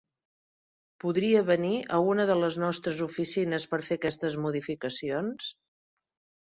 Podria venir a una de les nostres oficines per fer aquestes modificacions?